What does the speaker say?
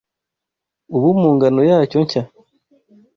ubu mu ngano yacyo nshya